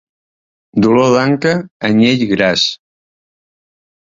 Dolor d'anca, anyell gras.